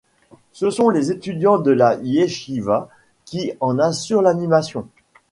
Ce sont les étudiants de la Yechiva qui en assurent l’animation.